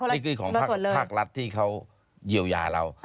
นี่คือของภาครัฐที่เขาเยียวยาเรา